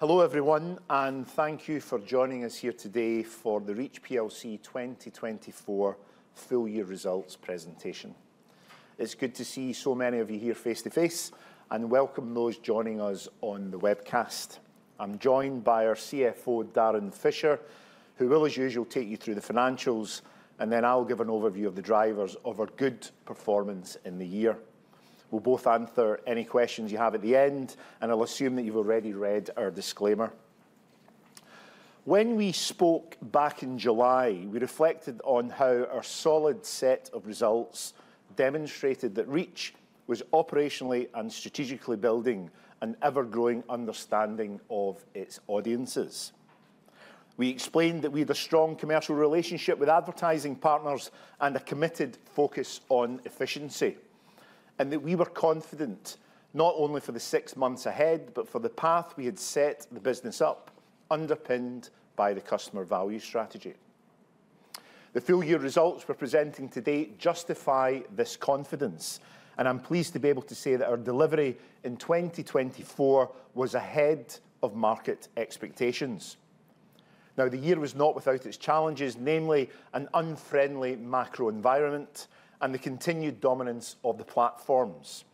Hello, everyone, and thank you for joining us here today for the Reach plc 2024 full year results presentation. It's good to see so many of you here face to face, and welcome those joining us on the webcast. I'm joined by our CFO, Darren Fisher, who will, as usual, take you through the financials, and then I'll give an overview of the drivers of our good performance in the year. We'll both answer any questions you have at the end, and I'll assume that you've already read our disclaimer. When we spoke back in July, we reflected on how our solid set of results demonstrated that Reach was operationally and strategically building an ever-growing understanding of its audiences. We explained that we had a strong commercial relationship with advertising partners and a committed focus on efficiency, and that we were confident not only for the six months ahead, but for the path we had set the business up, underpinned by the customer value strategy. The full year results we are presenting today justify this confidence, and I'm pleased to be able to say that our delivery in 2024 was ahead of market expectations. The year was not without its challenges, namely an unfriendly macro environment and the continued dominance of the platforms.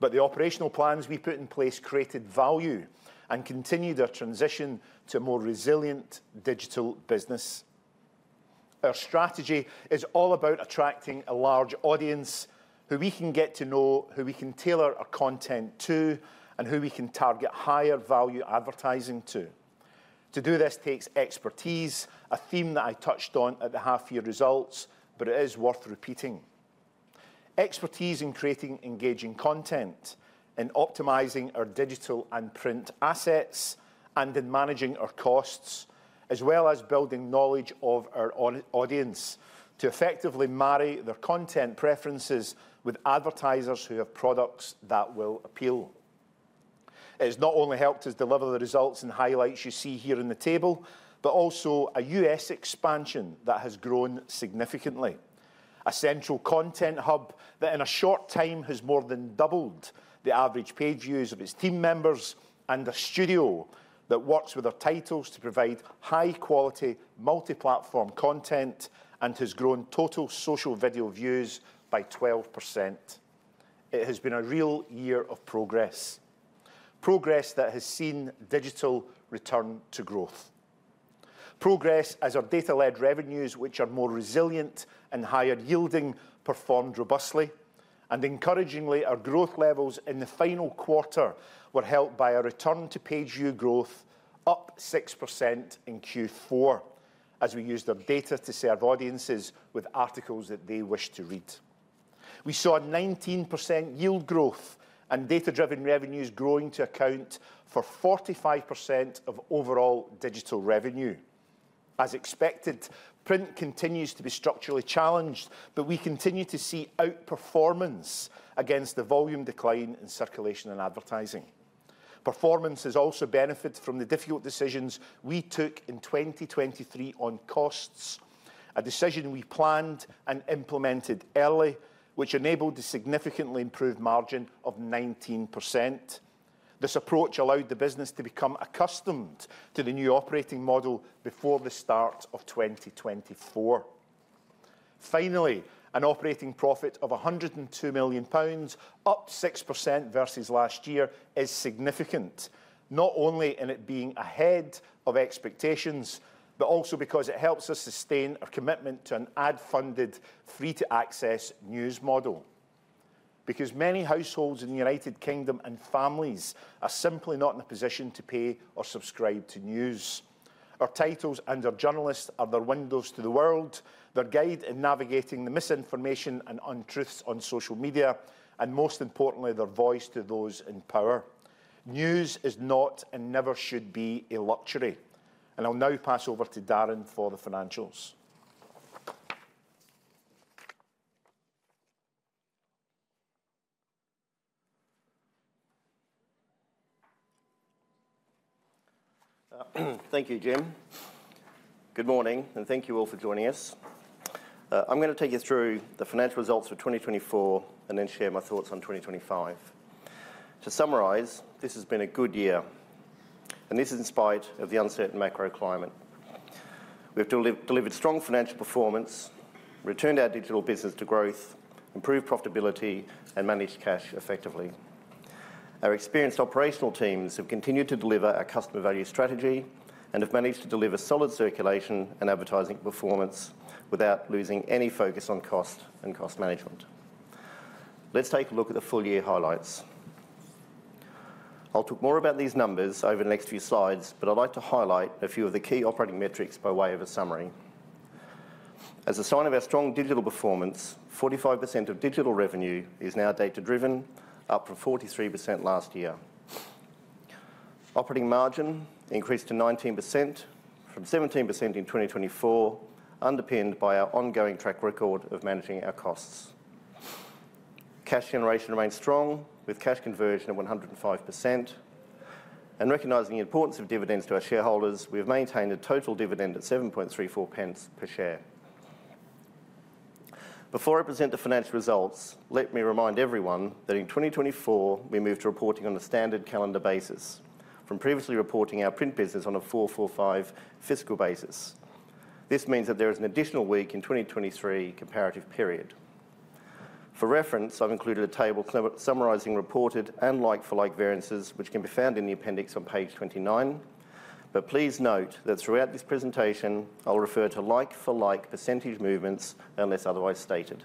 The operational plans we put in place created value and continued our transition to a more resilient digital business. Our strategy is all about attracting a large audience who we can get to know, who we can tailor our content to, and who we can target higher value advertising to. To do this takes expertise, a theme that I touched on at the half-year results, but it is worth repeating. Expertise in creating engaging content, in optimizing our digital and print assets, and in managing our costs, as well as building knowledge of our audience to effectively marry their content preferences with advertisers who have products that will appeal. It has not only helped us deliver the results and highlights you see here in the table, but also a U.S. expansion that has grown significantly, a central content hub that in a short time has more than doubled the average page views of its team members, and a studio that works with our titles to provide high-quality multi-platform content and has grown total social video views by 12%. It has been a real year of progress, progress that has seen digital return to growth. Progress as our data-led revenues, which are more resilient and higher yielding, performed robustly. Encouragingly, our growth levels in the final quarter were helped by our return to page view growth, up 6% in Q4, as we used our data to serve audiences with articles that they wish to read. We saw a 19% yield growth and data-driven revenues growing to account for 45% of overall digital revenue. As expected, print continues to be structurally challenged, but we continue to see outperformance against the volume decline in circulation and advertising. Performance has also benefited from the difficult decisions we took in 2023 on costs, a decision we planned and implemented early, which enabled a significantly improved margin of 19%. This approach allowed the business to become accustomed to the new operating model before the start of 2024. Finally, an operating profit of 102 million pounds, up 6% versus last year, is significant, not only in it being ahead of expectations, but also because it helps us sustain our commitment to an ad-funded, free-to-access news model. Because many households in the United Kingdom and families are simply not in a position to pay or subscribe to news. Our titles and our journalists are their windows to the world, their guide in navigating the misinformation and untruths on social media, and most importantly, their voice to those in power. News is not and never should be a luxury. I'll now pass over to Darren for the financials. Thank you, Jim. Good morning, and thank you all for joining us. I'm going to take you through the financial results for 2024 and then share my thoughts on 2025. To summarize, this has been a good year, and this is in spite of the uncertain macro climate. We have delivered strong financial performance, returned our digital business to growth, improved profitability, and managed cash effectively. Our experienced operational teams have continued to deliver our customer value strategy and have managed to deliver solid circulation and advertising performance without losing any focus on cost and cost management. Let's take a look at the full year highlights. I'll talk more about these numbers over the next few slides, but I'd like to highlight a few of the key operating metrics by way of a summary. As a sign of our strong digital performance, 45% of digital revenue is now data-driven, up from 43% last year. Operating margin increased to 19% from 17% in 2024, underpinned by our ongoing track record of managing our costs. Cash generation remains strong, with cash conversion at 105%. Recognizing the importance of dividends to our shareholders, we have maintained a total dividend at 0.0734 per share. Before I present the financial results, let me remind everyone that in 2024, we moved to reporting on a standard calendar basis, from previously reporting our print business on a 4-4-5 fiscal basis. This means that there is an additional week in the 2023 comparative period. For reference, I have included a table summarizing reported and like-for-like variances, which can be found in the appendix on page 29. Please note that throughout this presentation, I will refer to like-for-like percentage movements unless otherwise stated.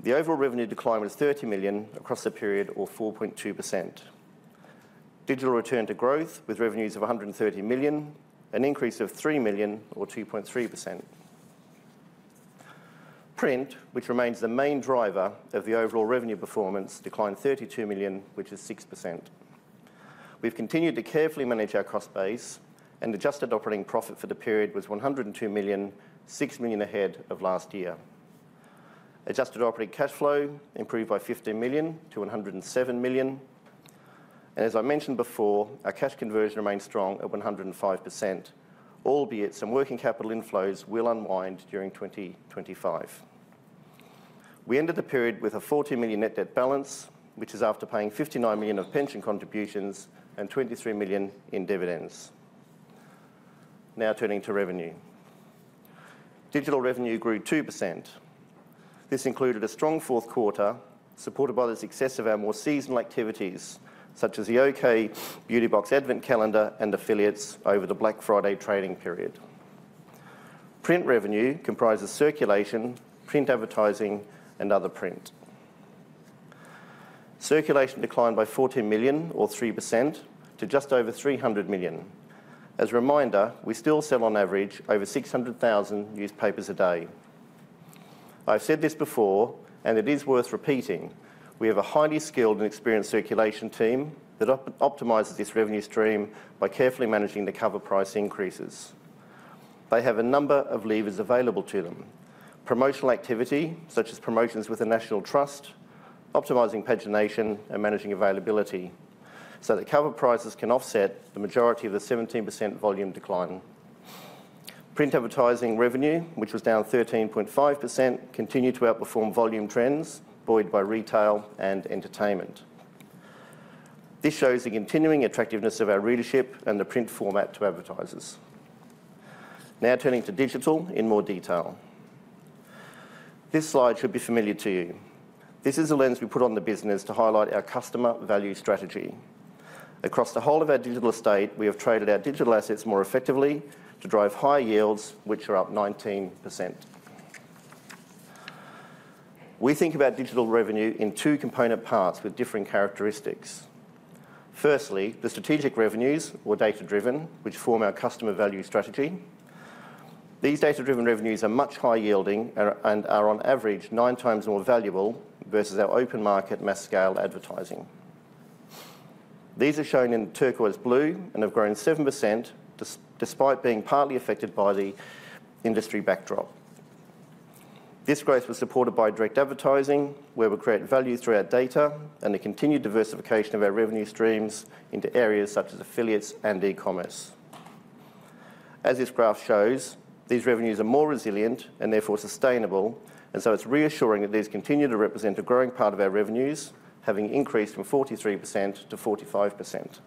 The overall revenue decline was 30 million across the period, or 4.2%. Digital returned to growth, with revenues of 130 million, an increase of 3 million, or 2.3%. Print, which remains the main driver of the overall revenue performance, declined 32 million, which is 6%. We have continued to carefully manage our cost base, and adjusted operating profit for the period was 102 million, 6 million ahead of last year. Adjusted operating cash flow improved by 15 million to 107 million. As I mentioned before, our cash conversion remains strong at 105%, albeit some working capital inflows will unwind during 2025. We ended the period with a 40 million net debt balance, which is after paying 59 million of pension contributions and 23 million in dividends. Now turning to revenue, digital revenue grew 2%. This included a strong fourth quarter, supported by the success of our more seasonal activities, such as the OK! Beauty Box Advent calendar, and affiliates over the Black Friday trading period. Print revenue comprises circulation, print advertising, and other print. Circulation declined by 14 million, or 3%, to just over 300 million. As a reminder, we still sell on average over 600,000 newspapers a day. I've said this before, and it is worth repeating. We have a highly skilled and experienced circulation team that optimizes this revenue stream by carefully managing the cover price increases. They have a number of levers available to them: promotional activity, such as promotions with the National Trust, optimizing pagination and managing availability, so that cover prices can offset the majority of the 17% volume decline. Print advertising revenue, which was down 13.5%, continued to outperform volume trends, buoyed by retail and entertainment. This shows the continuing attractiveness of our readership and the print format to advertisers. Now turning to digital in more detail. This slide should be familiar to you. This is a lens we put on the business to highlight our customer value strategy. Across the whole of our digital estate, we have traded our digital assets more effectively to drive higher yields, which are up 19%. We think about digital revenue in two component parts with different characteristics. Firstly, the strategic revenues, or data-driven, which form our customer value strategy. These data-driven revenues are much higher yielding and are on average nine times more valuable versus our open market mass scale advertising. These are shown in turquoise blue and have grown 7% despite being partly affected by the industry backdrop. This growth was supported by direct advertising, where we create value through our data and the continued diversification of our revenue streams into areas such as affiliates and e-commerce. As this graph shows, these revenues are more resilient and therefore sustainable, and so it's reassuring that these continue to represent a growing part of our revenues, having increased from 43% to 45%.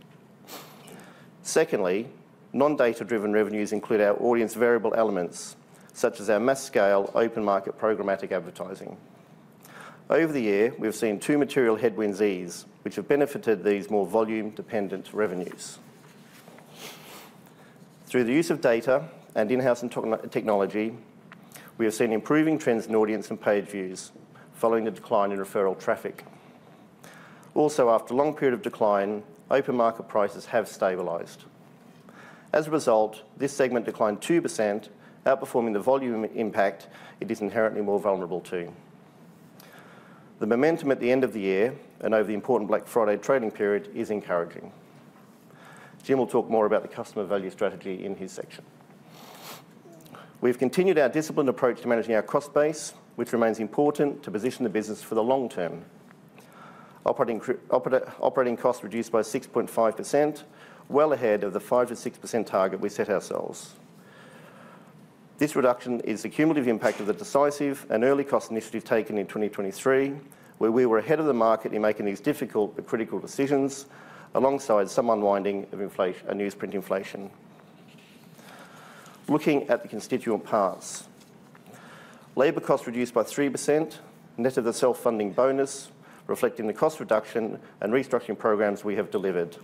Secondly, non-data-driven revenues include our audience variable elements, such as our mass scale open market programmatic advertising. Over the year, we have seen two material headwinds ease, which have benefited these more volume-dependent revenues. Through the use of data and in-house technology, we have seen improving trends in audience and page views, following the decline in referral traffic. Also, after a long period of decline, open market prices have stabilized. As a result, this segment declined 2%, outperforming the volume impact it is inherently more vulnerable to. The momentum at the end of the year and over the important Black Friday trading period is encouraging. Jim will talk more about the customer value strategy in his section. We have continued our disciplined approach to managing our cost base, which remains important to position the business for the long term. Operating costs reduced by 6.5%, well ahead of the 5%-6% target we set ourselves. This reduction is the cumulative impact of the decisive and early cost initiative taken in 2023, where we were ahead of the market in making these difficult but critical decisions, alongside some unwinding of newsprint inflation. Looking at the constituent parts, labor costs reduced by 3%, net of the self-funding bonus, reflecting the cost reduction and restructuring programs we have delivered.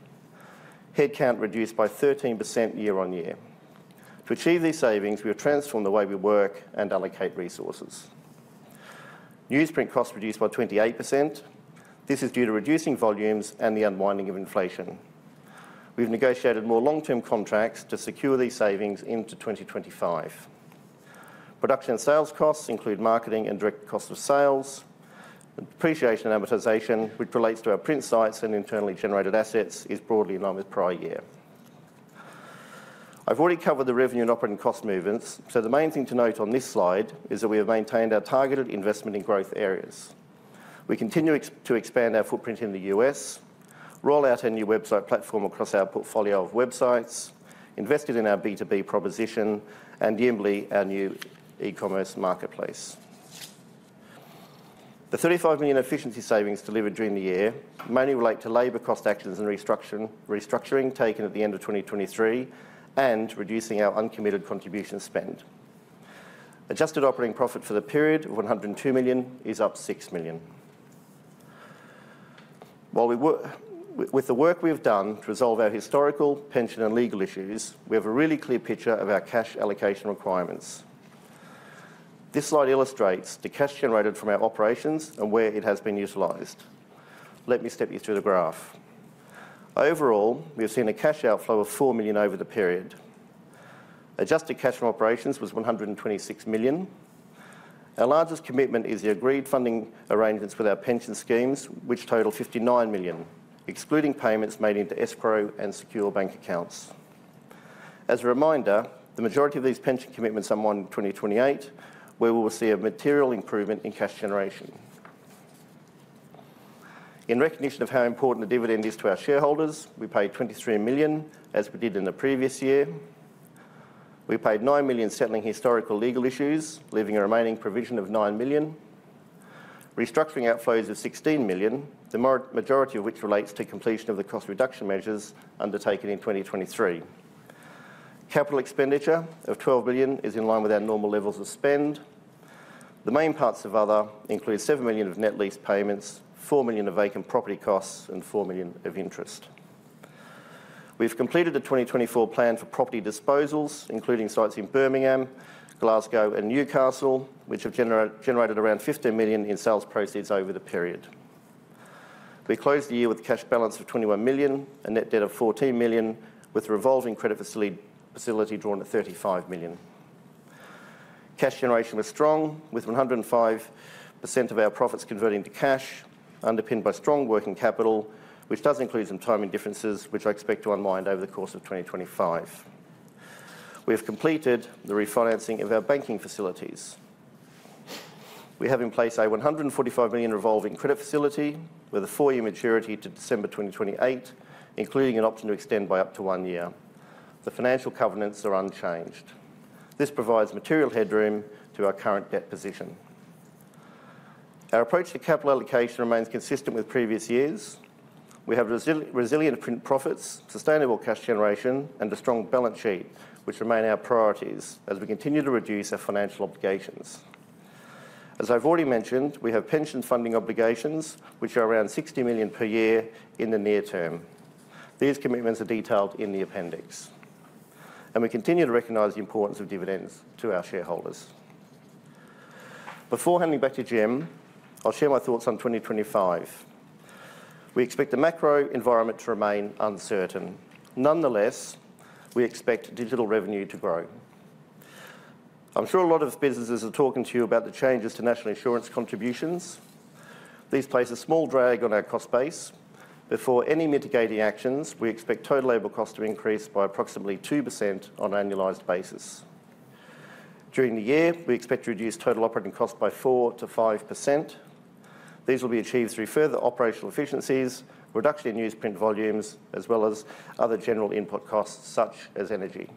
Headcount reduced by 13% year-on-year. To achieve these savings, we have transformed the way we work and allocate resources. Newsprint costs reduced by 28%. This is due to reducing volumes and the unwinding of inflation. We have negotiated more long-term contracts to secure these savings into 2025. Production and sales costs include marketing and direct costs of sales. Appreciation and amortization, which relates to our print sites and internally generated assets, is broadly in line with prior year. I have already covered the revenue and operating cost movements, so the main thing to note on this slide is that we have maintained our targeted investment in growth areas. We continue to expand our footprint in the U.S., roll out a new website platform across our portfolio of websites, invested in our B2B proposition, and Yimbly, our new e-commerce marketplace. The 35 million efficiency savings delivered during the year mainly relate to labor cost actions and restructuring taken at the end of 2023 and reducing our uncommitted contribution spend. Adjusted operating profit for the period of 102 million is up 6 million. With the work we have done to resolve our historical pension and legal issues, we have a really clear picture of our cash allocation requirements. This slide illustrates the cash generated from our operations and where it has been utilised. Let me step you through the graph. Overall, we have seen a cash outflow of 4 million over the period. Adjusted cash from operations was 126 million. Our largest commitment is the agreed funding arrangements with our pension schemes, which total 59 million, excluding payments made into escrow and secure bank accounts. As a reminder, the majority of these pension commitments on 1/2028, where we will see a material improvement in cash generation. In recognition of how important the dividend is to our shareholders, we paid 23 million, as we did in the previous year. We paid 9 million settling historical legal issues, leaving a remaining provision of 9 million. Restructuring outflows of 16 million, the majority of which relates to completion of the cost reduction measures undertaken in 2023. Capital expenditure of 12 million is in line with our normal levels of spend. The main parts of other include 7 million of net lease payments, 4 million of vacant property costs, and 4 million of interest. We have completed the 2024 plan for property disposals, including sites in Birmingham, Glasgow, and Newcastle, which have generated around 15 million in sales proceeds over the period. We closed the year with a cash balance of 21 million and net debt of 14 million, with a revolving credit facility drawn at 35 million. Cash generation was strong, with 105% of our profits converting to cash, underpinned by strong working capital, which does include some timing differences, which I expect to unwind over the course of 2025. We have completed the refinancing of our banking facilities. We have in place a 145 million revolving credit facility with a four-year maturity to December 2028, including an option to extend by up to one year. The financial covenants are unchanged. This provides material headroom to our current debt position. Our approach to capital allocation remains consistent with previous years. We have resilient profits, sustainable cash generation, and a strong balance sheet, which remain our priorities as we continue to reduce our financial obligations. As I've already mentioned, we have pension funding obligations, which are around 60 million per year in the near term. These commitments are detailed in the appendix. We continue to recognize the importance of dividends to our shareholders. Before handing back to Jim, I'll share my thoughts on 2025. We expect the macro environment to remain uncertain. Nonetheless, we expect digital revenue to grow. I'm sure a lot of businesses are talking to you about the changes to national insurance contributions. These place a small drag on our cost base. Before any mitigating actions, we expect total labor costs to increase by approximately 2% on an annualized basis. During the year, we expect to reduce total operating costs by 4%-5%. These will be achieved through further operational efficiencies, reduction in newsprint volumes, as well as other general input costs such as energy.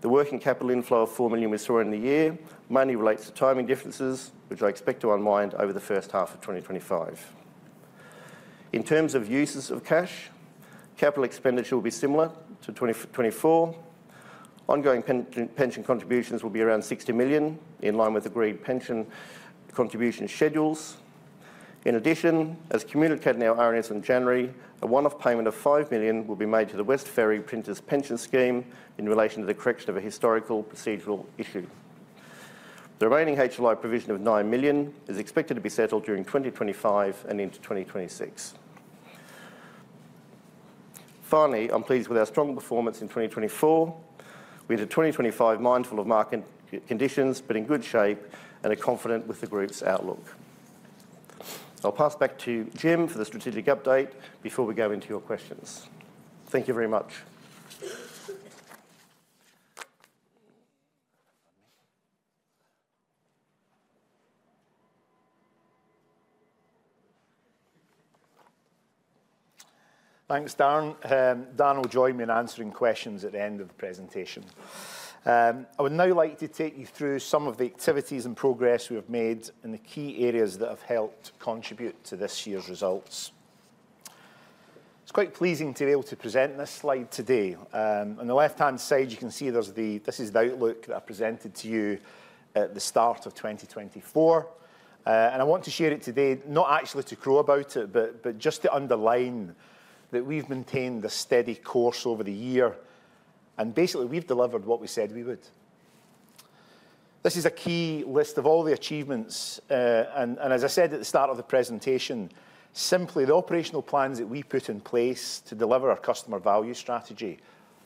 The working capital inflow of 4 million we saw in the year mainly relates to timing differences, which I expect to unwind over the first half of 2025. In terms of uses of cash, capital expenditure will be similar to 2024. Ongoing pension contributions will be around 60 million, in line with agreed pension contribution schedules. In addition, as communicated in our RNS in January, a one-off payment of 5 million will be made to the West Ferry Printers Pension Scheme in relation to the correction of a historical procedural issue. The remaining HLI provision of 9 million is expected to be settled during 2025 and into 2026. Finally, I'm pleased with our strong performance in 2024. We head into 2025 mindful of market conditions, but in good shape and are confident with the group's outlook. I'll pass back to Jim for the strategic update before we go into your questions. Thank you very much. Thanks, Darren. Darren will join me in answering questions at the end of the presentation. I would now like to take you through some of the activities and progress we have made in the key areas that have helped contribute to this year's results. It is quite pleasing to be able to present this slide today. On the left-hand side, you can see this is the outlook that I presented to you at the start of 2024. I want to share it today, not actually to crow about it, but just to underline that we have maintained a steady course over the year. Basically, we have delivered what we said we would. This is a key list of all the achievements. As I said at the start of the presentation, simply the operational plans that we put in place to deliver our customer value strategy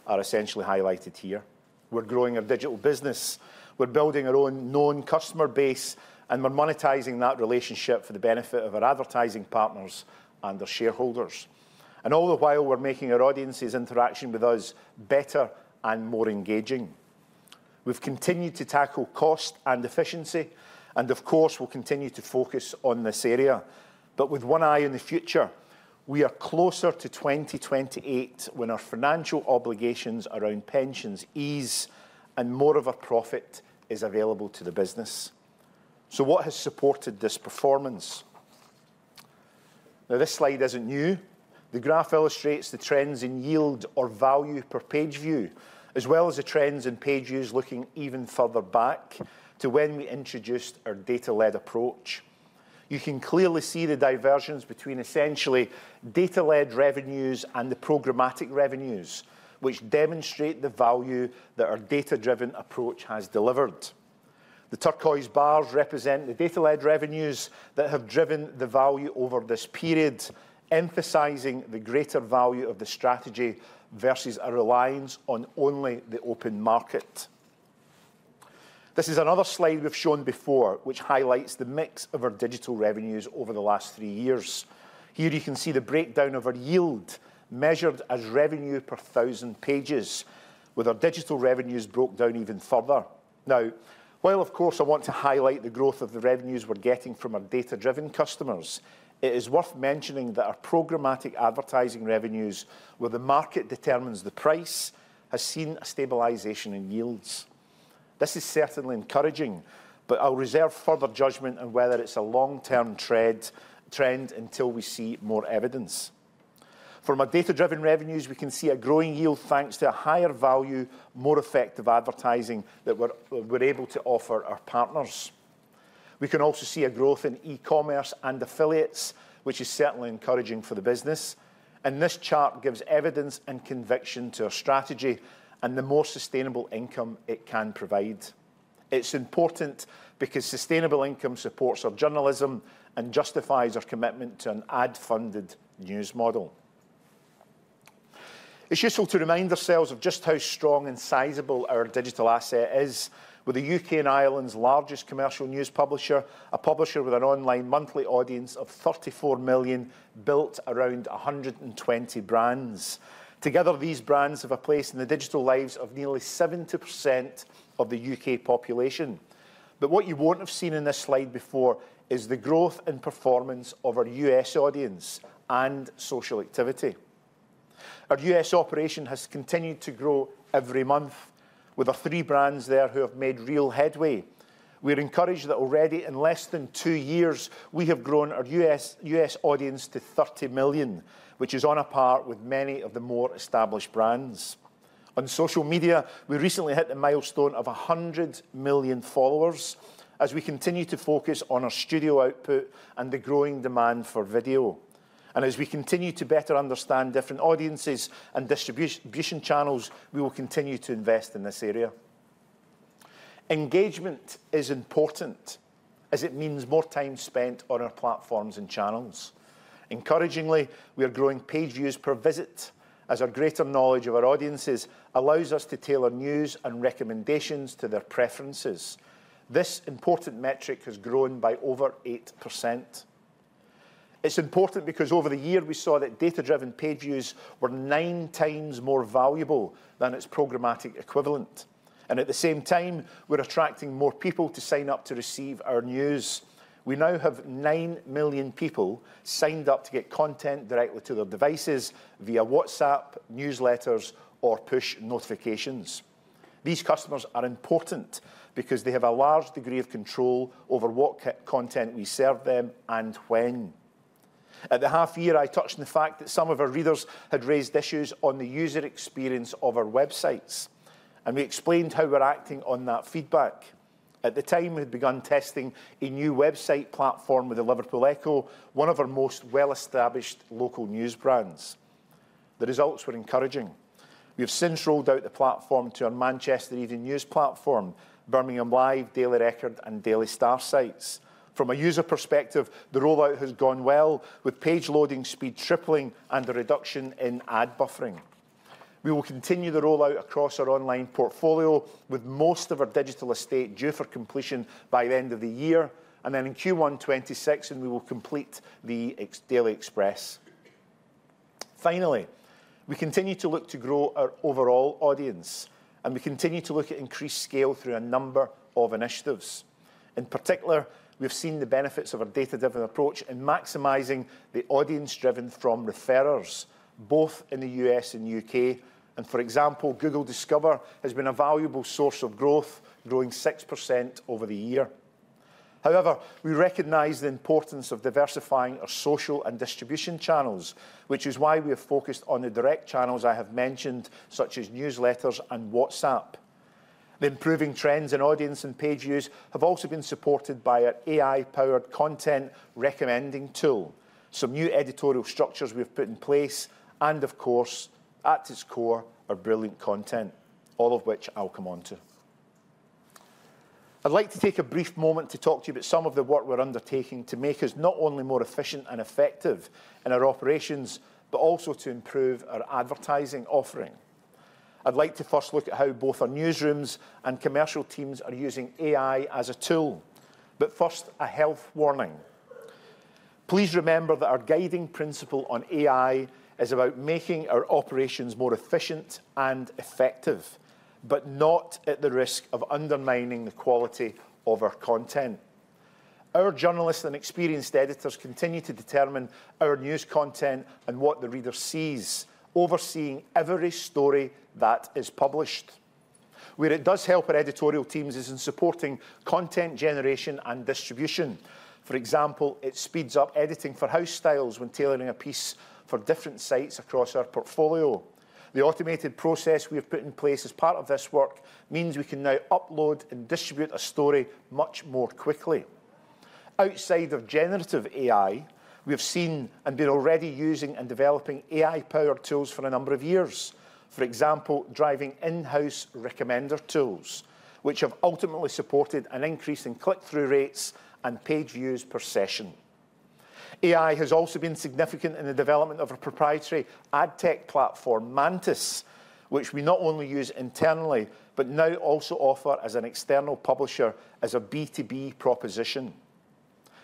are essentially highlighted here. We are growing our digital business. We're building our own known customer base, and we're monetizing that relationship for the benefit of our advertising partners and our shareholders. All the while, we're making our audience's interaction with us better and more engaging. We've continued to tackle cost and efficiency, and of course, we'll continue to focus on this area. With one eye on the future, we are closer to 2028 when our financial obligations around pensions ease and more of a profit is available to the business. What has supported this performance? This slide isn't new. The graph illustrates the trends in yield or value per page view, as well as the trends in page views looking even further back to when we introduced our data-led approach. You can clearly see the divergence between essentially data-led revenues and the programmatic revenues, which demonstrate the value that our data-driven approach has delivered. The turquoise bars represent the data-led revenues that have driven the value over this period, emphasizing the greater value of the strategy versus a reliance on only the open market. This is another slide we've shown before, which highlights the mix of our digital revenues over the last three years. Here you can see the breakdown of our yield measured as revenue per thousand page views, with our digital revenues broken down even further. Now, while of course I want to highlight the growth of the revenues we're getting from our data-driven customers, it is worth mentioning that our programmatic advertising revenues, where the market determines the price, has seen a stabilization in yields. This is certainly encouraging, but I'll reserve further judgment on whether it's a long-term trend until we see more evidence. From our data-driven revenues, we can see a growing yield thanks to a higher value, more effective advertising that we're able to offer our partners. We can also see a growth in e-commerce and affiliates, which is certainly encouraging for the business. This chart gives evidence and conviction to our strategy and the more sustainable income it can provide. It's important because sustainable income supports our journalism and justifies our commitment to an ad-funded news model. It's useful to remind ourselves of just how strong and sizable our digital asset is, with the U.K. and Ireland's largest commercial news publisher, a publisher with an online monthly audience of 34 million, built around 120 brands. Together, these brands have a place in the digital lives of nearly 70% of the U.K. population. What you will not have seen in this slide before is the growth in performance of our U.S. audience and social activity. Our U.S. operation has continued to grow every month, with our three brands there who have made real headway. We are encouraged that already in less than two years, we have grown our U.S. audience to 30 million, which is on a par with many of the more established brands. On social media, we recently hit the milestone of 100 million followers as we continue to focus on our studio output and the growing demand for video. As we continue to better understand different audiences and distribution channels, we will continue to invest in this area. Engagement is important, as it means more time spent on our platforms and channels. Encouragingly, we are growing page views per visit, as our greater knowledge of our audiences allows us to tailor news and recommendations to their preferences. This important metric has grown by over 8%. It is important because over the year, we saw that data-driven page views were nine times more valuable than its programmatic equivalent. At the same time, we are attracting more people to sign up to receive our news. We now have 9 million people signed up to get content directly to their devices via WhatsApp, newsletters, or push notifications. These customers are important because they have a large degree of control over what content we serve them and when. At the half year, I touched on the fact that some of our readers had raised issues on the user experience of our websites, and we explained how we are acting on that feedback. At the time, we had begun testing a new website platform with the Liverpool Echo, one of our most well-established local news brands. The results were encouraging. We have since rolled out the platform to our Manchester Evening News platform, Birmingham Live, Daily Record, and Daily Star sites. From a user perspective, the rollout has gone well, with page loading speed tripling and a reduction in ad buffering. We will continue the rollout across our online portfolio, with most of our digital estate due for completion by the end of the year, and then in Q1 2026, we will complete the Daily Express. Finally, we continue to look to grow our overall audience, and we continue to look at increased scale through a number of initiatives. In particular, we have seen the benefits of our data-driven approach in maximizing the audience driven from referrers, both in the U.S. and U.K. For example, Google Discover has been a valuable source of growth, growing 6% over the year. However, we recognize the importance of diversifying our social and distribution channels, which is why we have focused on the direct channels I have mentioned, such as newsletters and WhatsApp. The improving trends in audience and page views have also been supported by our AI-powered content recommending tool. Some new editorial structures we have put in place, and of course, at its core, our brilliant content, all of which I'll come on to. I'd like to take a brief moment to talk to you about some of the work we're undertaking to make us not only more efficient and effective in our operations, but also to improve our advertising offering. I'd like to first look at how both our newsrooms and commercial teams are using AI as a tool. First, a health warning. Please remember that our guiding principle on AI is about making our operations more efficient and effective, but not at the risk of undermining the quality of our content. Our journalists and experienced editors continue to determine our news content and what the reader sees, overseeing every story that is published. Where it does help our editorial teams is in supporting content generation and distribution. For example, it speeds up editing for house styles when tailoring a piece for different sites across our portfolio. The automated process we have put in place as part of this work means we can now upload and distribute a story much more quickly. Outside of generative AI, we have seen and been already using and developing AI-powered tools for a number of years. For example, driving in-house recommender tools, which have ultimately supported an increase in click-through rates and page views per session. AI has also been significant in the development of a proprietary ad tech platform, Mantis, which we not only use internally, but now also offer as an external publisher as a B2B proposition.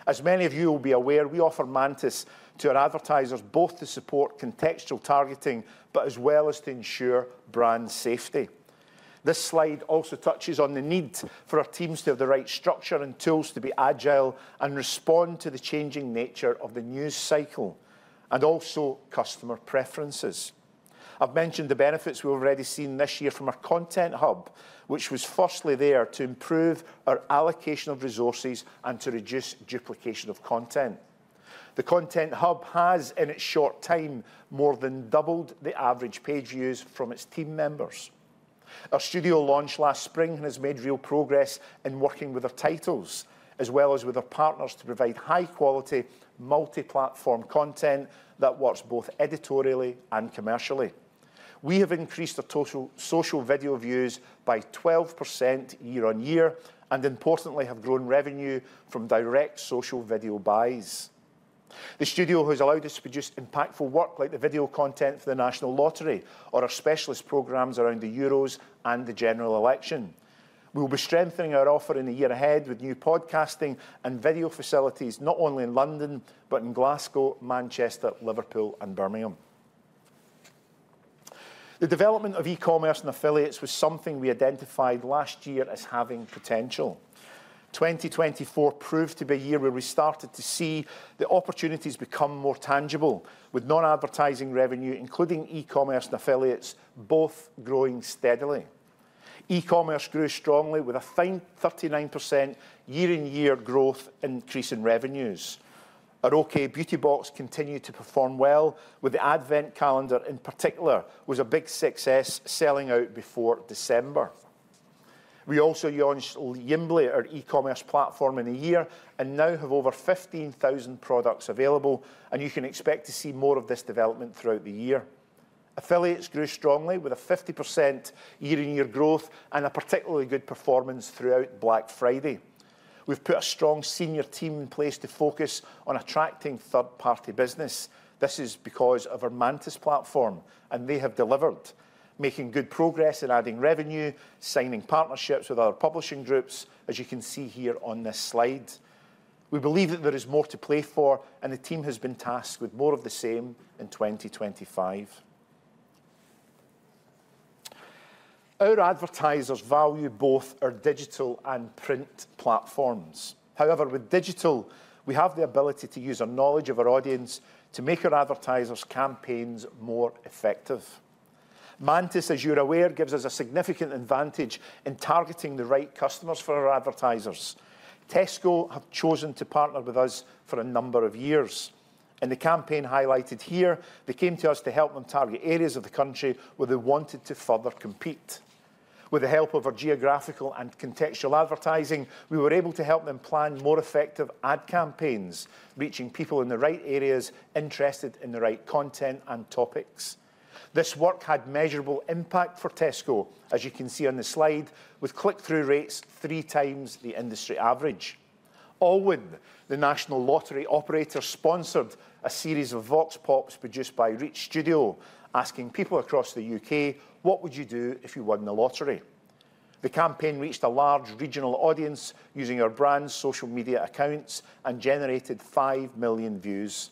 As many of you will be aware, we offer Mantis to our advertisers both to support contextual targeting, but as well as to ensure brand safety. This slide also touches on the need for our teams to have the right structure and tools to be agile and respond to the changing nature of the news cycle and also customer preferences. I've mentioned the benefits we've already seen this year from our content hub, which was firstly there to improve our allocation of resources and to reduce duplication of content. The content hub has, in its short time, more than doubled the average page views from its team members. Our studio launched last spring and has made real progress in working with our titles, as well as with our partners to provide high-quality, multi-platform content that works both editorially and commercially. We have increased our total social video views by 12% year-on-year and, importantly, have grown revenue from direct social video buys. The studio has allowed us to produce impactful work like the video content for the National Lottery or our specialist programs around the Euros and the general election. We will be strengthening our offer in the year ahead with new podcasting and video facilities, not only in London, but in Glasgow, Manchester, Liverpool, and Birmingham. The development of e-commerce and affiliates was something we identified last year as having potential. 2024 proved to be a year where we started to see the opportunities become more tangible, with non-advertising revenue, including e-commerce and affiliates, both growing steadily. E-commerce grew strongly, with a 39% year-on-year growth increase in revenues. Our OK! Beauty Box continued to perform well, with the advent calendar in particular, which was a big success, selling out before December. We also launched Yimbly, our e-commerce platform, in a year and now have over 15,000 products available, and you can expect to see more of this development throughout the year. Affiliates grew strongly, with a 50% year-on-year growth and a particularly good performance throughout Black Friday. We've put a strong senior team in place to focus on attracting third-party business. This is because of our Mantis platform, and they have delivered, making good progress in adding revenue, signing partnerships with our publishing groups, as you can see here on this slide. We believe that there is more to play for, and the team has been tasked with more of the same in 2025. Our advertisers value both our digital and print platforms. However, with digital, we have the ability to use our knowledge of our audience to make our advertisers' campaigns more effective. Mantis, as you're aware, gives us a significant advantage in targeting the right customers for our advertisers. Tesco have chosen to partner with us for a number of years. In the campaign highlighted here, they came to us to help them target areas of the country where they wanted to further compete. With the help of our geographical and contextual advertising, we were able to help them plan more effective ad campaigns, reaching people in the right areas interested in the right content and topics. This work had measurable impact for Tesco, as you can see on the slide, with click-through rates three times the industry average. Allwyn, the National Lottery operator, sponsored a series of vox pops produced by Reach Studio, asking people across the U.K., "What would you do if you won the lottery?" The campaign reached a large regional audience using our brand's social media accounts and generated 5 million views.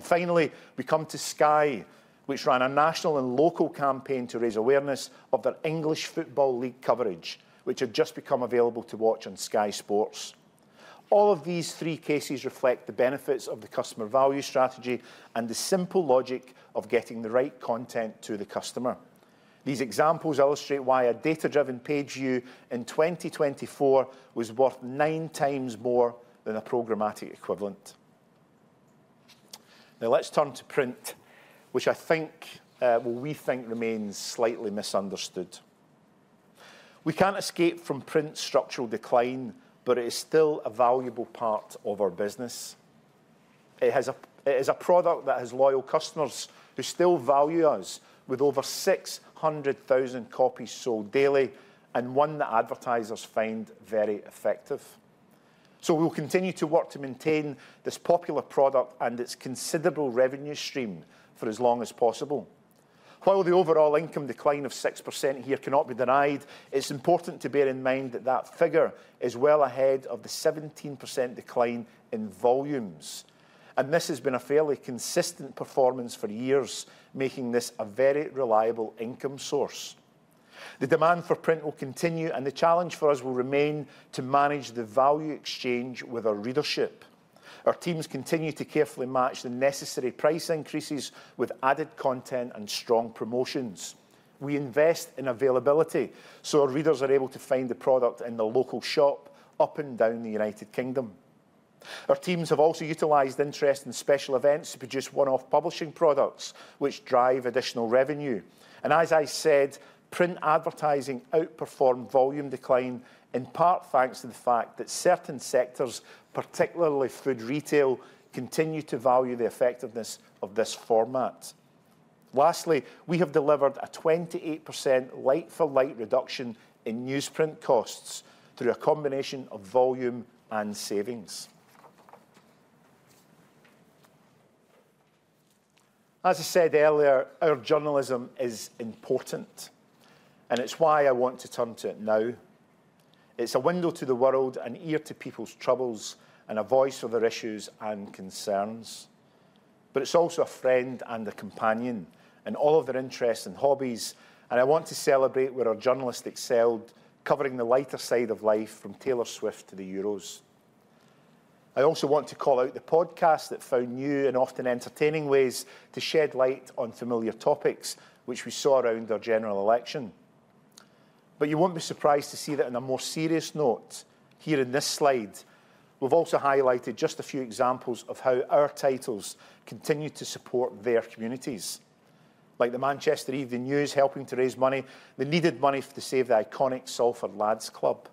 Finally, we come to Sky, which ran a national and local campaign to raise awareness of their English Football League coverage, which had just become available to watch on Sky Sports. All of these three cases reflect the benefits of the customer value strategy and the simple logic of getting the right content to the customer. These examples illustrate why a data-driven page view in 2024 was worth nine times more than a programmatic equivalent. Now, let's turn to print, which I think, we think remains slightly misunderstood. We can't escape from print's structural decline, but it is still a valuable part of our business. It is a product that has loyal customers who still value us, with over 600,000 copies sold daily and one that advertisers find very effective. We will continue to work to maintain this popular product and its considerable revenue stream for as long as possible. While the overall income decline of 6% here cannot be denied, it's important to bear in mind that that figure is well ahead of the 17% decline in volumes. This has been a fairly consistent performance for years, making this a very reliable income source. The demand for print will continue, and the challenge for us will remain to manage the value exchange with our readership. Our teams continue to carefully match the necessary price increases with added content and strong promotions. We invest in availability so our readers are able to find the product in the local shop up and down the United Kingdom. Our teams have also utilised interest in special events to produce one-off publishing products, which drive additional revenue. As I said, print advertising outperformed volume decline, in part thanks to the fact that certain sectors, particularly food retail, continue to value the effectiveness of this format. Lastly, we have delivered a 28% like-for-like reduction in newsprint costs through a combination of volume and savings. As I said earlier, our journalism is important, and it's why I want to turn to it now. It's a window to the world and ear to people's troubles and a voice for their issues and concerns. It is also a friend and a companion in all of their interests and hobbies, and I want to celebrate where our journalists excelled, covering the lighter side of life, from Taylor Swift to the Euros. I also want to call out the podcast that found new and often entertaining ways to shed light on familiar topics, which we saw around our general election. You won't be surprised to see that on a more serious note here in this slide, we've also highlighted just a few examples of how our titles continue to support their communities, like the Manchester Evening News helping to raise the needed money to save the iconic Salford Lads Club,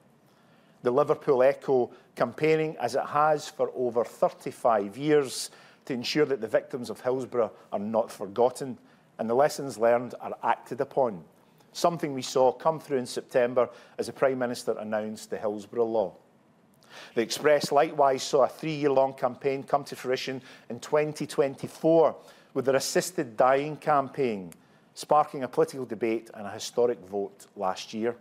the Liverpool Echo campaigning as it has for over 35 years to ensure that the victims of Hillsborough are not forgotten and the lessons learned are acted upon, something we saw come through in September as the Prime Minister announced the Hillsborough law. The Express, likewise, saw a three-year-long campaign come to fruition in 2024 with their assisted dying campaign, sparking a political debate and a historic vote last year.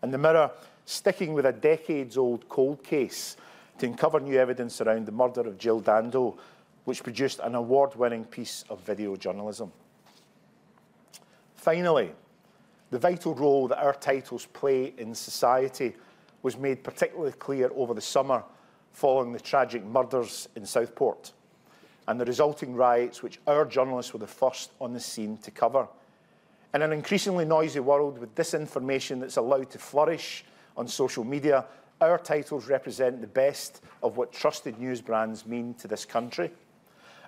The Mirror, sticking with a decades-old cold case to uncover new evidence around the murder of Jill Dando, produced an award-winning piece of video journalism. Finally, the vital role that our titles play in society was made particularly clear over the summer following the tragic murders in Southport and the resulting riots, which our journalists were the first on the scene to cover. In an increasingly noisy world with disinformation that's allowed to flourish on social media, our titles represent the best of what trusted news brands mean to this country.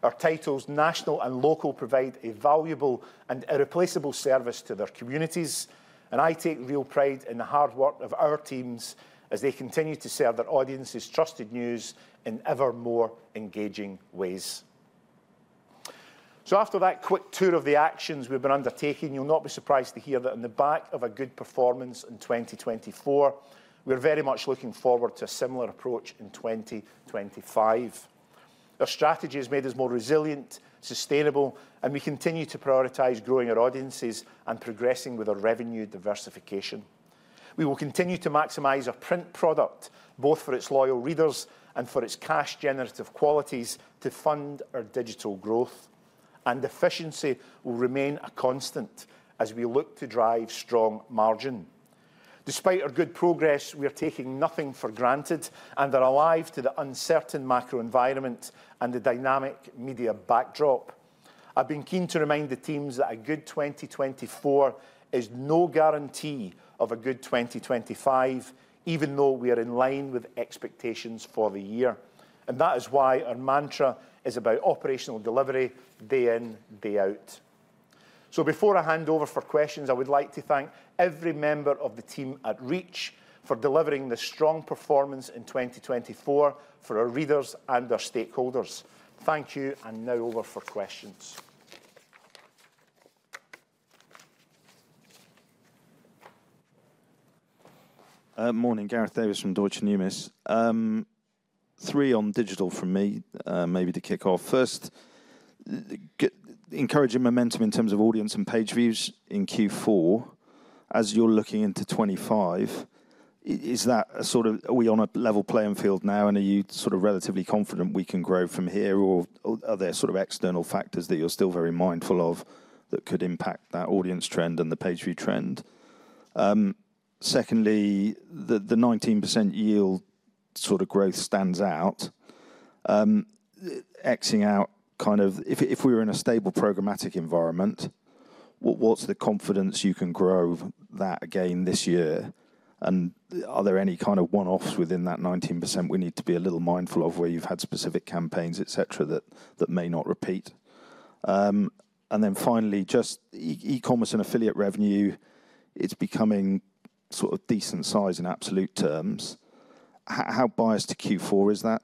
Our titles, national and local, provide a valuable and irreplaceable service to their communities, and I take real pride in the hard work of our teams as they continue to serve their audiences trusted news in ever more engaging ways. After that quick tour of the actions we've been undertaking, you'll not be surprised to hear that in the back of a good performance in 2024, we're very much looking forward to a similar approach in 2025. Our strategy has made us more resilient, sustainable, and we continue to prioritize growing our audiences and progressing with our revenue diversification. We will continue to maximize our print product, both for its loyal readers and for its cash-generative qualities to fund our digital growth. Efficiency will remain a constant as we look to drive strong margin. Despite our good progress, we are taking nothing for granted and are alive to the uncertain macro environment and the dynamic media backdrop. I've been keen to remind the teams that a good 2024 is no guarantee of a good 2025, even though we are in line with expectations for the year. That is why our mantra is about operational delivery day in, day out. Before I hand over for questions, I would like to thank every member of the team at Reach for delivering this strong performance in 2024 for our readers and our stakeholders. Thank you, and now over for questions. Morning, Gareth Davies from Deutsche Numis. Three on digital from me, maybe to kick off. First, encouraging momentum in terms of audience and page views in Q4 as you're looking into 2025. Is that a sort of, are we on a level playing field now, and are you sort of relatively confident we can grow from here, or are there sort of external factors that you're still very mindful of that could impact that audience trend and the page view trend? Secondly, the 19% yield sort of growth stands out, exiting out kind of, if we were in a stable programmatic environment, what's the confidence you can grow that again this year? Are there any kind of one-offs within that 19% we need to be a little mindful of where you've had specific campaigns, etc., that may not repeat? Finally, just e-commerce and affiliate revenue, it's becoming sort of decent size in absolute terms. How biased to Q4 is that?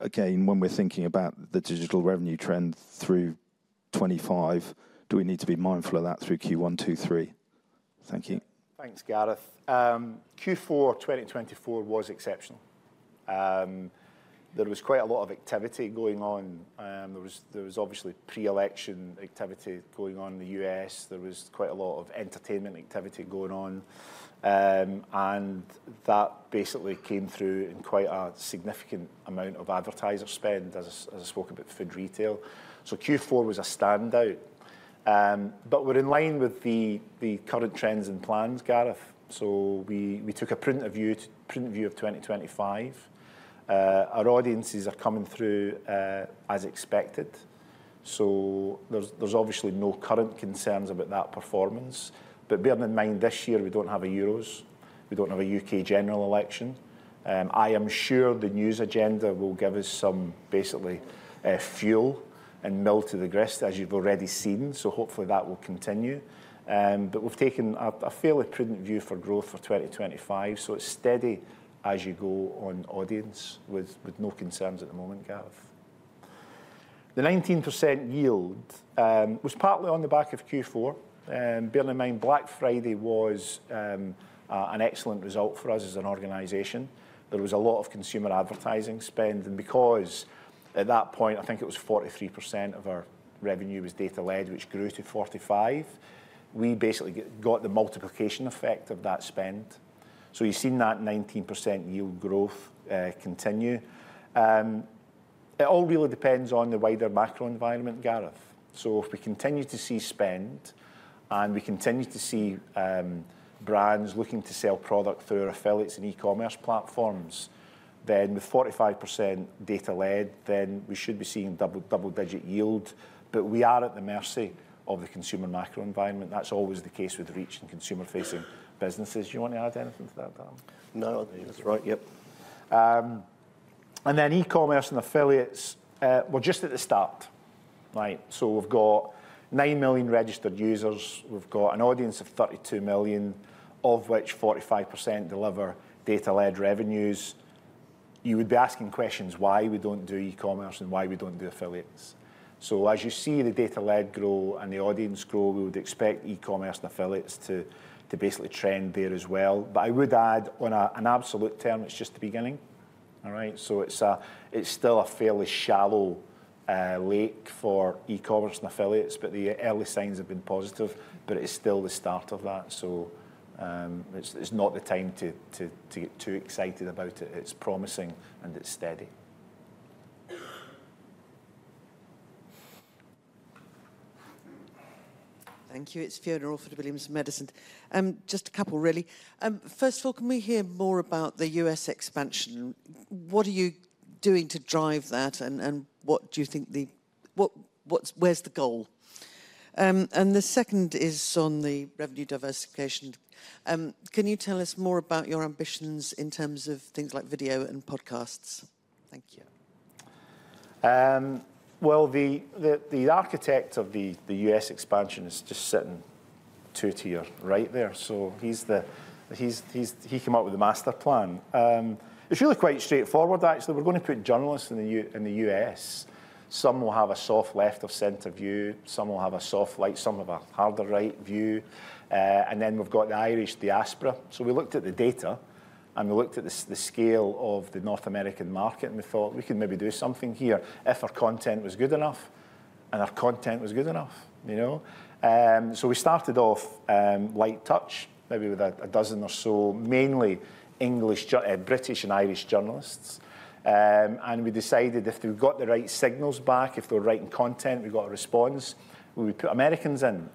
Again, when we're thinking about the digital revenue trend through 2025, do we need to be mindful of that through Q1, Q2, Q3? Thank you. Thanks, Gareth. Q4 2024 was exceptional. There was quite a lot of activity going on. There was obviously pre-election activity going on in the U.S. There was quite a lot of entertainment activity going on. That basically came through in quite a significant amount of advertiser spend, as I spoke about food retail. Q4 was a standout. We are in line with the current trends and plans, Gareth. We took a printed view of 2025. Our audiences are coming through as expected. There are obviously no current concerns about that performance. Bear in mind, this year we do not have a Euros. We do not have a U.K. general election. I am sure the news agenda will give us some basically fuel and mill to the grist, as you have already seen, so hopefully that will continue. We have taken a fairly prudent view for growth for 2025, so it is steady as you go on audience with no concerns at the moment, Gareth. The 19% yield was partly on the back of Q4. Bear in mind, Black Friday was an excellent result for us as an organization. There was a lot of consumer advertising spend. At that point, I think it was 43% of our revenue was data-led, which grew to 45%. We basically got the multiplication effect of that spend. You have seen that 19% yield growth continue. It all really depends on the wider macro environment, Gareth. If we continue to see spend and we continue to see brands looking to sell product through our affiliates and e-commerce platforms, with 45% data-led, we should be seeing double-digit yield. We are at the mercy of the consumer macro environment. That is always the case with Reach and consumer-facing businesses. Do you want to add anything to that, Darren? No, that is right. Yep. E-commerce and affiliates, we are just at the start, right? We've got 9 million registered users. We've got an audience of 32 million, of which 45% deliver data-led revenues. You would be asking questions why we don't do e-commerce and why we don't do affiliates. As you see the data-led grow and the audience grow, we would expect e-commerce and affiliates to basically trend there as well. I would add on an absolute term, it's just the beginning, all right? It's still a fairly shallow lake for e-commerce and affiliates, but the early signs have been positive. It's still the start of that. It's not the time to get too excited about it. It's promising and it's steady. Thank you. It's Fiona Orford-Williams from Edison. Just a couple, really. First of all, can we hear more about the U.S. expansion? What are you doing to drive that, and what do you think the—where's the goal? The second is on the revenue diversification. Can you tell us more about your ambitions in terms of things like video and podcasts? Thank you. The architect of the U.S. expansion is just sitting to a tier right there. He came up with the master plan. It's really quite straightforward, actually. We're going to put journalists in the U.S. Some will have a soft left-of-center view. Some will have a soft right—some have a harder right view. We have the Irish diaspora. We looked at the data, and we looked at the scale of the North American market, and we thought we could maybe do something here if our content was good enough and our content was good enough. We started off light touch, maybe with a dozen or so, mainly English, British, and Irish journalists. We decided if we got the right signals back, if they were writing content, we got a response, we would put Americans in.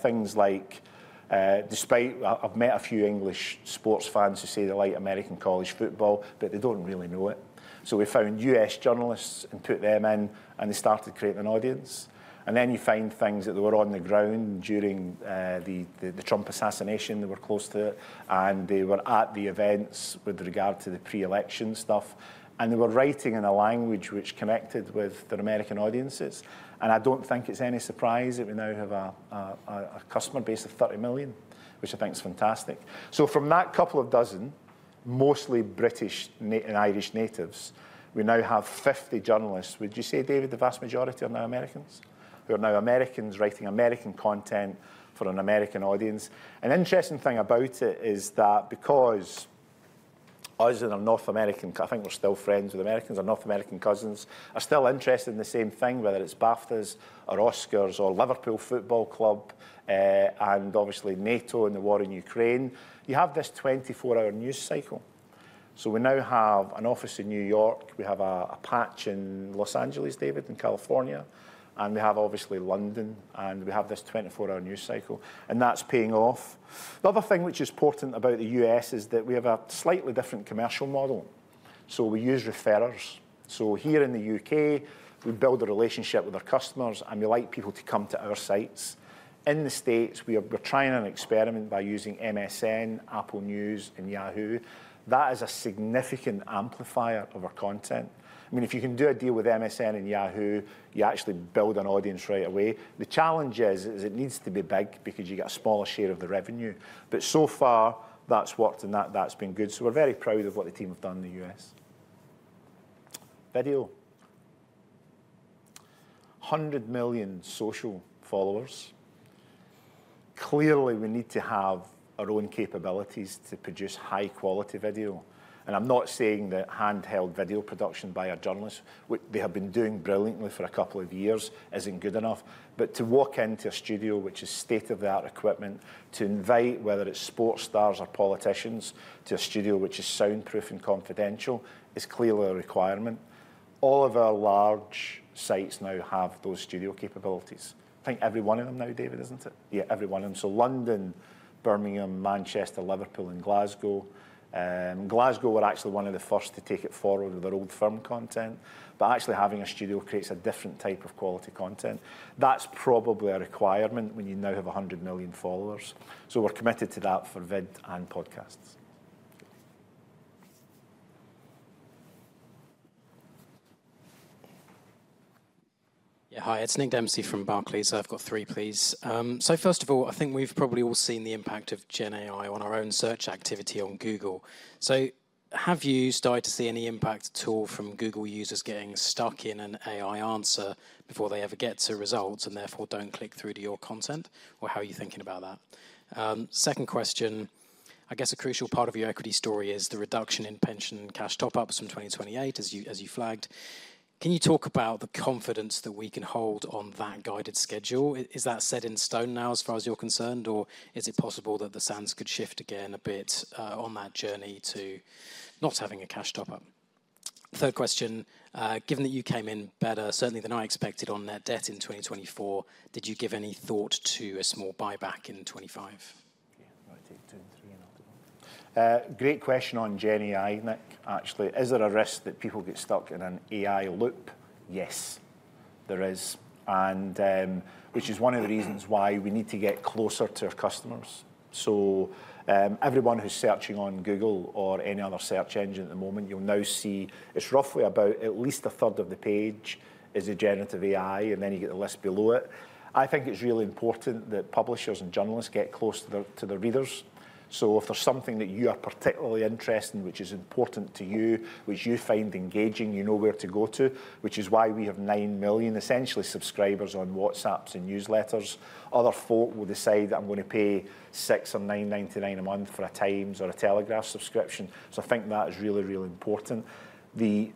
Things like, despite—I have met a few English sports fans who say they like American college football, but they do not really know it. We found U.S. journalists and put them in, and they started creating an audience. You find things that they were on the ground during the Trump assassination. They were close to it, and they were at the events with regard to the pre-election stuff. They were writing in a language which connected with their American audiences. I do not think it is any surprise that we now have a customer base of 30 million, which I think is fantastic. From that couple of dozen, mostly British and Irish natives, we now have 50 journalists. Would you say, David, the vast majority are now Americans? Who are now Americans writing American content for an American audience? An interesting thing about it is that because us and our North American—I think we're still friends with Americans and North American cousins—are still interested in the same thing, whether it's BAFTAs or Oscars or Liverpool Football Club and obviously NATO and the war in Ukraine, you have this 24-hour news cycle. We now have an office in New York. We have a patch in Los Angeles, David, in California. We have obviously London, and we have this 24-hour news cycle. That's paying off. The other thing which is important about the U.S. is that we have a slightly different commercial model. We use referrals. Here in the U.K., we build a relationship with our customers, and we like people to come to our sites. In the States, we're trying an experiment by using MSN, Apple News, and Yahoo. That is a significant amplifier of our content. I mean, if you can do a deal with MSN and Yahoo, you actually build an audience right away. The challenge is it needs to be big because you get a smaller share of the revenue. So far, that's worked, and that's been good. We're very proud of what the team have done in the U.S. Video. 100 million social followers. Clearly, we need to have our own capabilities to produce high-quality video. I'm not saying that handheld video production by our journalists, which they have been doing brilliantly for a couple of years, isn't good enough. To walk into a studio which is state-of-the-art equipment, to invite whether it's sports stars or politicians to a studio which is soundproof and confidential is clearly a requirement. All of our large sites now have those studio capabilities. I think every one of them now, David, isn't it? Yeah, every one of them. London, Birmingham, Manchester, Liverpool, and Glasgow. Glasgow, we're actually one of the first to take it forward with our old firm content. Actually having a studio creates a different type of quality content. That's probably a requirement when you now have 100 million followers. We're committed to that for vid and podcasts. Yeah, hi. It's Nick Dempsey from Barclays. I've got three, please. First of all, I think we've probably all seen the impact of Gen AI on our own search activity on Google. Have you started to see any impact at all from Google users getting stuck in an AI answer before they ever get to results and therefore do not click through to your content? How are you thinking about that? Second question, I guess a crucial part of your equity story is the reduction in pension cash top-ups from 2028, as you flagged. Can you talk about the confidence that we can hold on that guided schedule? Is that set in stone now as far as you are concerned, or is it possible that the sands could shift again a bit on that journey to not having a cash top-up? Third question, given that you came in better, certainly than I expected, on net debt in 2024, did you give any thought to a small buyback in 2025? Yeah, right here, two and three and after that. Great question on Gen AI, Nick, actually. Is there a risk that people get stuck in an AI loop? Yes, there is, which is one of the reasons why we need to get closer to our customers. Everyone who's searching on Google or any other search engine at the moment, you'll now see it's roughly about at least a third of the page is a generative AI, and then you get the list below it. I think it's really important that publishers and journalists get close to their readers. If there's something that you are particularly interested in, which is important to you, which you find engaging, you know where to go to, which is why we have 9 million essentially subscribers on WhatsApp and newsletters. Other folk will decide that I'm going to pay 6 or 9.99 a month for a Times or a Telegraph subscription. I think that is really, really important. The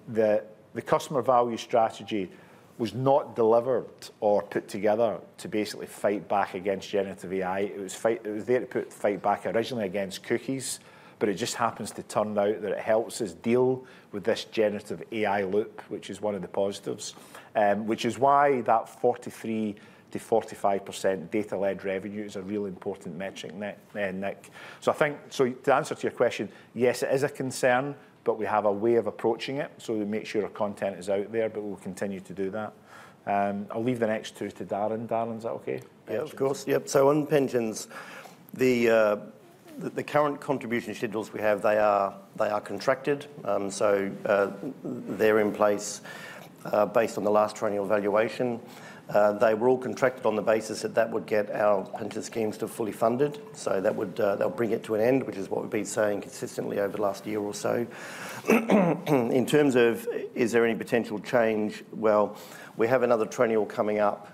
customer value strategy was not delivered or put together to basically fight back against generative AI. It was there to fight back originally against cookies, but it just happens to turn out that it helps us deal with this generative AI loop, which is one of the positives, which is why that 43%-45% data-led revenue is a really important metric, Nick. To answer your question, yes, it is a concern, but we have a way of approaching it. We make sure our content is out there, but we'll continue to do that. I'll leave the next two to Darren. Darren, is that okay? Yeah, of course. Yep. On pensions, the current contribution schedules we have, they are contracted. They are in place based on the last triennial valuation. They were all contracted on the basis that that would get our pension schemes to fully funded. That would bring it to an end, which is what we've been saying consistently over the last year or so. In terms of is there any potential change, we have another triennial coming up,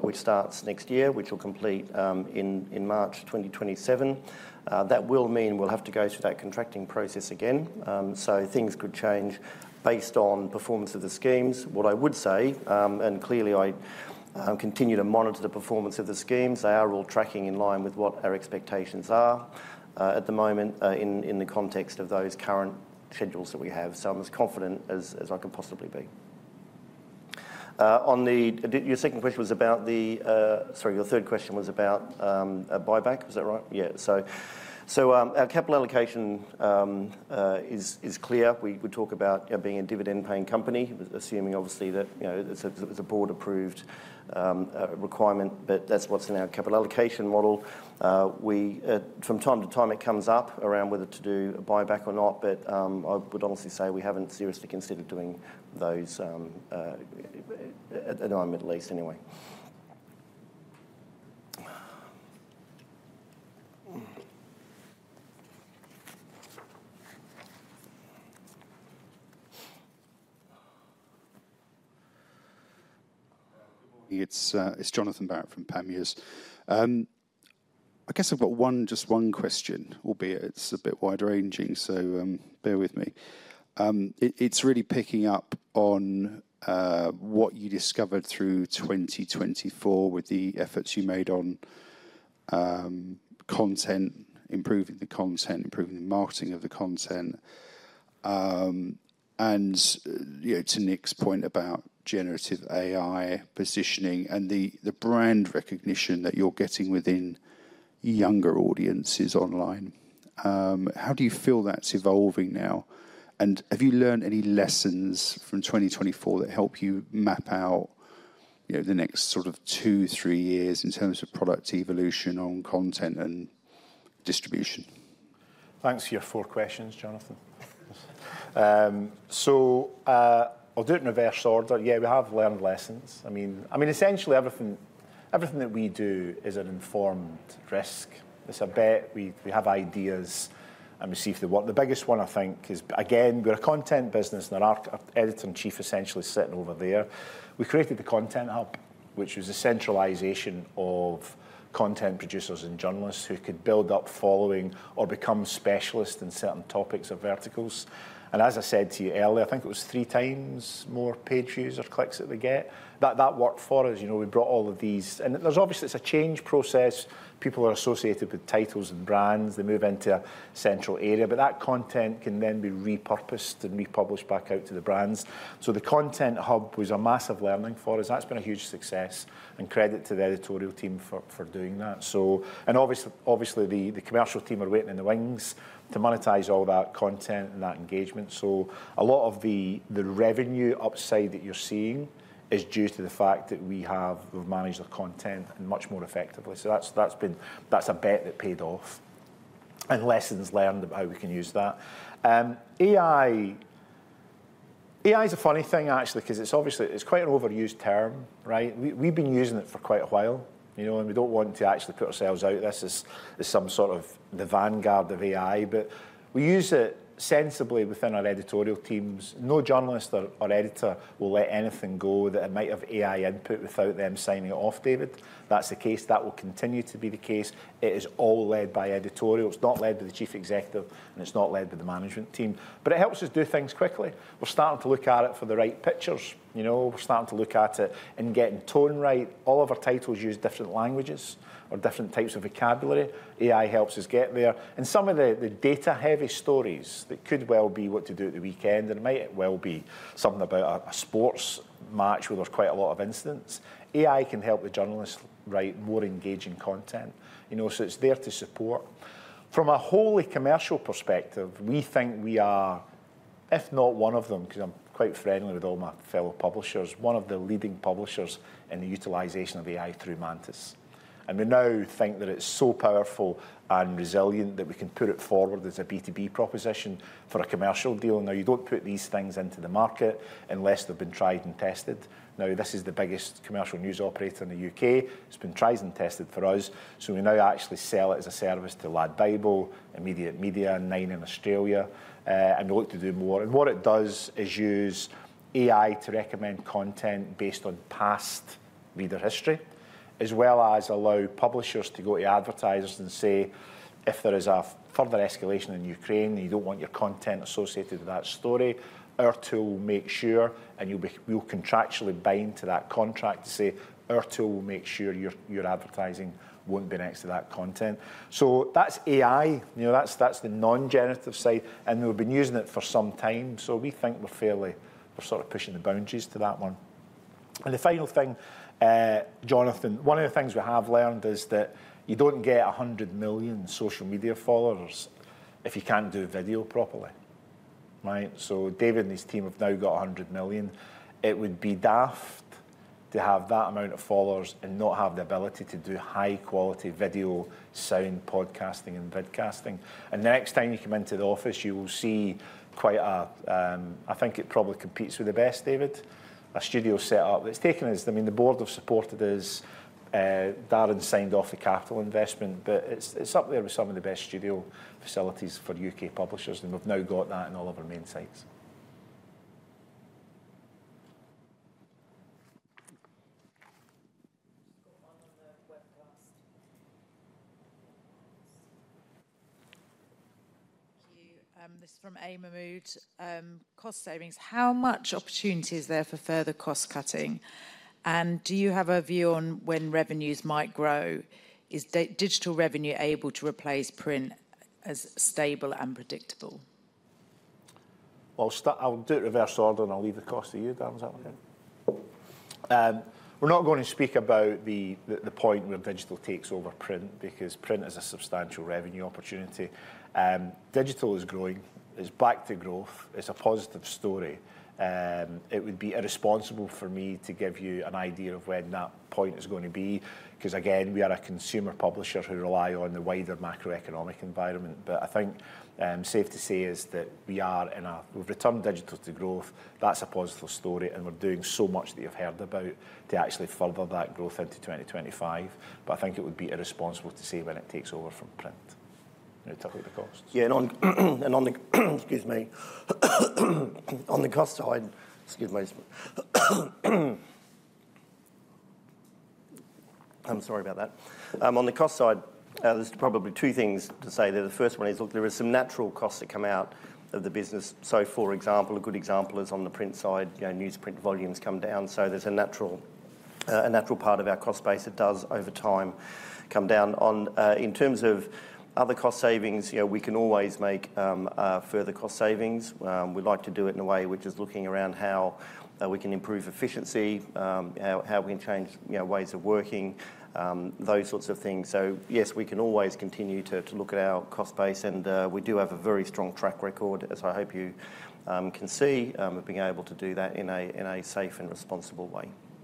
which starts next year, which will complete in March 2027. That will mean we'll have to go through that contracting process again. Things could change based on performance of the schemes. What I would say, and clearly I continue to monitor the performance of the schemes, they are all tracking in line with what our expectations are at the moment in the context of those current schedules that we have. I'm as confident as I can possibly be. Your second question was about the—sorry, your third question was about a buyback. Was that right? Yeah. Our capital allocation is clear. We talk about being a dividend-paying company, assuming obviously that it's a board-approved requirement, but that's what's in our capital allocation model. From time to time, it comes up around whether to do a buyback or not, but I would honestly say we haven't seriously considered doing those at the moment, at least anyway. It's Johnathan Barrett from Panmure. I guess I've got just one question, albeit it's a bit wide-ranging, so bear with me. It's really picking up on what you discovered through 2024 with the efforts you made on content, improving the content, improving the marketing of the content. To Nick's point about generative AI positioning and the brand recognition that you're getting within younger audiences online, how do you feel that's evolving now? Have you learned any lessons from 2024 that help you map out the next sort of two, three years in terms of product evolution on content and distribution? Thanks for your four questions, Johnathan. I'll do it in reverse order. Yeah, we have learned lessons. I mean, essentially everything that we do is an informed risk. It's a bet. We have ideas and we see if they work. The biggest one I think is, again, we're a content business and our Editor-in-Chief is essentially sitting over there. We created the Content Hub, which was a centralization of content producers and journalists who could build up following or become specialists in certain topics or verticals. As I said to you earlier, I think it was three times more page views or clicks that we get. That worked for us. We brought all of these. There is obviously a change process. People are associated with titles and brands. They move into a central area. That content can then be repurposed and republished back out to the brands. The Content Hub was a massive learning for us. That has been a huge success. Credit to the editorial team for doing that. The commercial team are waiting in the wings to monetize all that content and that engagement. A lot of the revenue upside that you are seeing is due to the fact that we have managed the content much more effectively. That is a bet that paid off and lessons learned about how we can use that. AI is a funny thing, actually, because it is quite an overused term, right? We have been using it for quite a while. We do not want to actually put ourselves out as some sort of the vanguard of AI, but we use it sensibly within our editorial teams. No journalist or editor will let anything go that might have AI input without them signing it off, David. That is the case. That will continue to be the case. It is all led by editorial. It is not led by the Chief Executive, and it is not led by the management team. It helps us do things quickly. We are starting to look at it for the right pictures. We are starting to look at it and getting tone right. All of our titles use different languages or different types of vocabulary. AI helps us get there. Some of the data-heavy stories that could well be what to do at the weekend, there might well be something about a sports match where there's quite a lot of incidents. AI can help the journalists write more engaging content. It is there to support. From a wholly commercial perspective, we think we are, if not one of them, because I'm quite friendly with all my fellow publishers, one of the leading publishers in the utilization of AI through Mantis. We now think that it is so powerful and resilient that we can put it forward as a B2B proposition for a commercial deal. You do not put these things into the market unless they have been tried and tested. This is the biggest commercial news operator in the U.K. It has been tried and tested for us. We now actually sell it as a service to Ladbible, Immediate Media, and Nine in Australia. We look to do more. What it does is use AI to recommend content based on past reader history, as well as allow publishers to go to advertisers and say, "If there is a further escalation in Ukraine and you don't want your content associated with that story, our tool will make sure," and we'll contractually bind to that contract to say, "Our tool will make sure your advertising won't be next to that content." That's AI. That's the non-generative side. We've been using it for some time. We think we're fairly sort of pushing the boundaries to that one. The final thing, Johnathan, one of the things we have learned is that you do not get 100 million social media followers if you cannot do video properly. Right? David and his team have now got 100 million. It would be daft to have that amount of followers and not have the ability to do high-quality video, sound, podcasting, and vidcasting. The next time you come into the office, you will see quite a—I think it probably competes with the best, David, a studio setup. I mean, the board have supported us. Darren signed off the capital investment, but it is up there with some of the best studio facilities for U.K. publishers. We have now got that in all of our main sites. Thank you. This is from Amy Mood. Cost savings. How much opportunity is there for further cost cutting? Do you have a view on when revenues might grow? Is digital revenue able to replace print as stable and predictable? I'll do it in reverse order and I'll leave the cost to you, Darren, is that okay? We're not going to speak about the point where digital takes over print because print is a substantial revenue opportunity. Digital is growing. It's back to growth. It's a positive story. It would be irresponsible for me to give you an idea of when that point is going to be because, again, we are a consumer publisher who relies on the wider macroeconomic environment. I think safe to say is that we are in a—we've returned digital to growth. That's a positive story. We're doing so much that you've heard about to actually further that growth into 2025. I think it would be irresponsible to say when it takes over from print to look at the costs. Yeah, on the—excuse me—on the cost side, excuse my—I'm sorry about that. On the cost side, there are probably two things to say there. The first one is there are some natural costs that come out of the business. For example, a good example is on the print side, newsprint volumes come down. There is a natural part of our cost base that does, over time, come down. In terms of other cost savings, we can always make further cost savings. We like to do it in a way which is looking around how we can improve efficiency, how we can change ways of working, those sorts of things. Yes, we can always continue to look at our cost base. We do have a very strong track record, as I hope you can see, of being able to do that in a safe and responsible way.